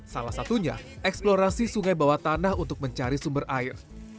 salah satunya eksplorasi sungai bawah tanah untuk mencari sumber air